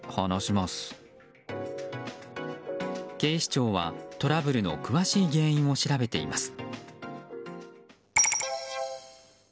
警視庁はトラブルの詳しい原因を調べています。